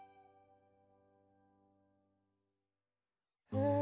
うん。